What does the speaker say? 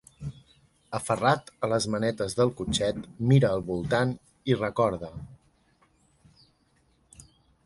Aferrat a les manetes del cotxet mira al voltant i recorda.